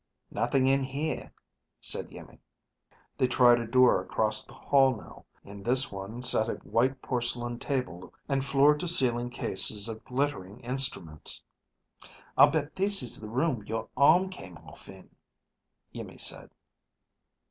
"Nothing in here," said Iimmi. They tried a door across the hall now. In this one sat a white porcelain table and floor to ceiling cases of glittering instruments. "I bet this is the room your arm came off in," Iimmi said.